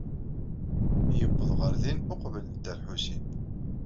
Yuweḍ ɣer din uqbel Dda Lḥusin.